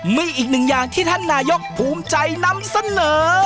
มีอีกหนึ่งอย่างที่ท่านนายกภูมิใจนำเสนอ